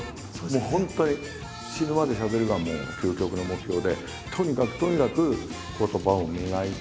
もう本当に「死ぬまでしゃべる」が究極の目標でとにかくとにかく言葉を磨いて言葉を紡いでやっていきたい。